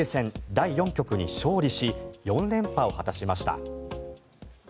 第４局に勝利し４連覇を果たしました。